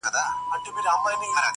ما خو دا نه ویل شینکی آسمانه،